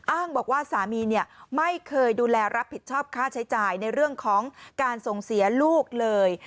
อ้างบอกว่าสามีไม่เคยดูแลรับผิดชอบค่าใช้จ่ายในเรื่องของการส่งเสียลูกเลย